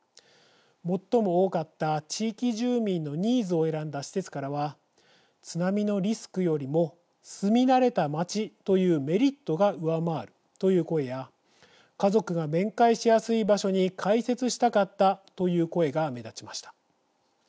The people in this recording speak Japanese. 最も多かった地域住民のニーズを選んだ施設からは「津波のリスクよりも住み慣れた町というメリットが上回る」という声や「家族が面会しやすい場所に開設したかった」という声が目立ちました。